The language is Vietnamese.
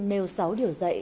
nêu sáu điều dạy